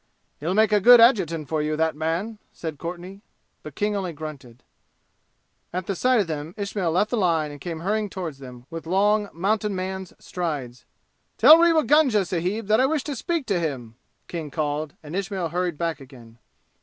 "He'll make a good adjutant for you, that man," said Courtenay; but King only grunted. At sight of them Ismail left the line and came hurrying toward them with long mountainman's strides. "Tell Rewa Gunga sahib that I wish to speak to him!" King called, and Ismail hurried back again.